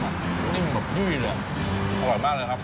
นิ่งเหมือนกับจุ้ยเลยอร่อยมากเลยครับ